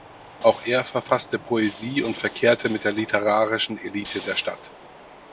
Auch er verfasste Poesie und verkehrte mit der literarischen Elite der Stadt.